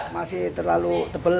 masih terlalu tebal